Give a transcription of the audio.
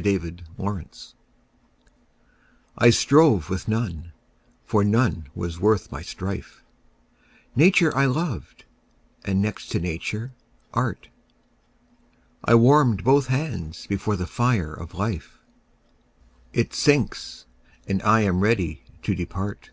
9 Autoplay I strove with none, for none was worth my strife: Nature I loved, and, next to Nature, Art: I warm'd both hands before the fire of Life; It sinks; and I am ready to depart.